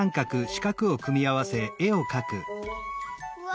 うわ！